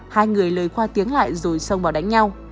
hai người lời qua tiếng lại rồi xong bảo đánh nhau